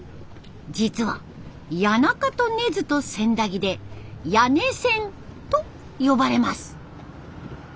実は谷中と根津と千駄木で「谷根千」と呼ばれます。